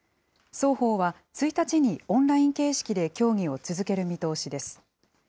双方は１日にオンライン形式で協議を続ける見通しです。